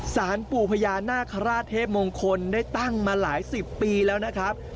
สารปู่พญานาคาราชเทพมงคลได้ตั้งมาหลายสิบปีแล้วนะครับ